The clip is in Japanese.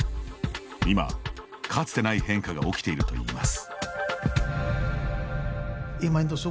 今、かつてない変化が起きているといいます。